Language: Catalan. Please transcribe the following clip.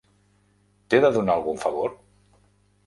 T'he de donar algun favor?